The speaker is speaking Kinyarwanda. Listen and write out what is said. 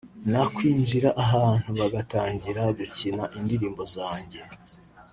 nakwinjira ahantu bagatangira gukina indirimbo zanjye